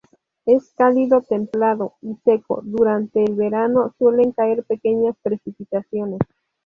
Es cálido templado y seco, durante el verano suelen caer pequeñas precipitaciones.